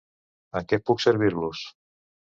En què puc servir-los?